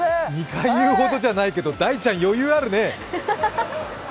２回言うほどじゃないけど大ちゃん余裕があるね。